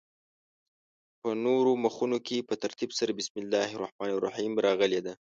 په نورو مخونو کې په ترتیب سره بسم الله الرحمن الرحیم راغلې ده.